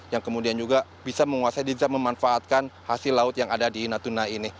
yang kemudian juga bisa menguasai bisa memanfaatkan hasil laut yang ada di natuna ini